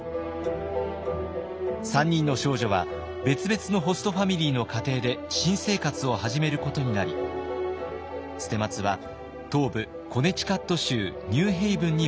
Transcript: ３人の少女は別々のホストファミリーの家庭で新生活を始めることになり捨松は東部コネチカット州ニューヘイブンに向かいます。